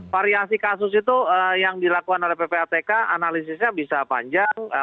variasi kasus itu yang dilakukan oleh ppatk analisisnya bisa panjang